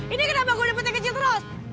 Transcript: ini kenapa gue dapet yang kecil terus